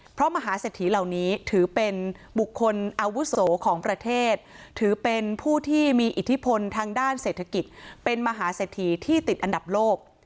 เพราะมหาเศรษฐีเหล่านี้ถือเป็นบุคคลอาวุโสของประเทศถือเป็นผู้ที่มีอิทธิพลทางด้านเศรษฐกิจเป็นมหาเศรษฐีที่ติดอันดับโลก